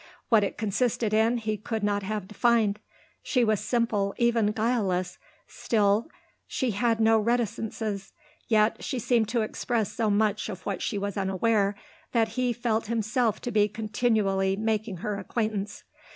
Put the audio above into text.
What it consisted in he could not have defined; she was simple, even guileless, still; she had no reticences; yet she seemed to express so much of which she was unaware that he felt himself to be continually making her acquaintance.